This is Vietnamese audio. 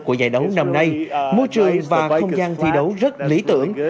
của giải đấu năm nay môi trường và không gian thi đấu rất lý tưởng